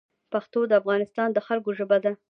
پښتو د افغانستان د خلګو ژبه ده